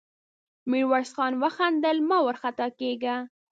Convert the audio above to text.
ميرويس خان وخندل: مه وارخطا کېږه!